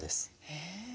へえ。